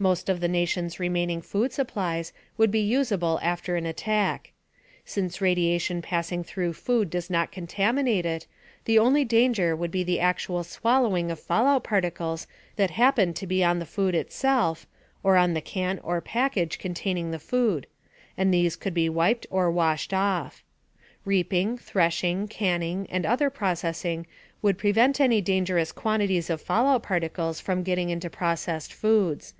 Most of the Nation's remaining food supplies would be usable after an attack. Since radiation passing through food does not contaminate it, the only danger would be the actual swallowing of fallout particles that happened to be on the food itself (or on the can or package containing the food), and these could be wiped or washed off. Reaping, threshing, canning and other processing would prevent any dangerous quantities of fallout particles from getting into processed foods.